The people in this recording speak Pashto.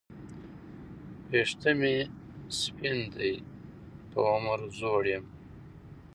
وېښته مي سپین دي په عمر زوړ یم